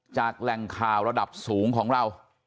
แหล่งข่าวระดับสูงของเรา